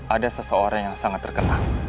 ada seseorang yang sangat terkenal